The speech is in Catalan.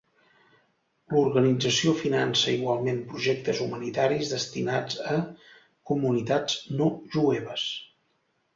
L'organització finança igualment projectes humanitaris destinats a comunitats no jueves.